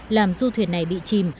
làm du thuyền này bị chìm